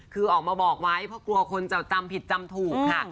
คือออกมาบอกไว้เพราะกลัวคนจะจำผิดจำถูกค่ะ